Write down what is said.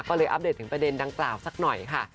ก็เลยอัปเดตถึงประเด็นดังกล่าวสักหน่อยค่ะ